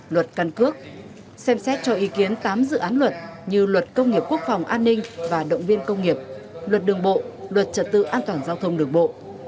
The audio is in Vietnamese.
luật căn cước xem xét cho ý kiến tám dự án luật như luật công nghiệp quốc phòng an ninh và động viên công nghiệp luật đường bộ luật trật tự an toàn giao thông đường bộ